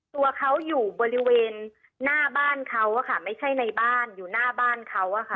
ตัวเขาอยู่บริเวณหน้าบ้านเขาอะค่ะไม่ใช่ในบ้านอยู่หน้าบ้านเขาอะค่ะ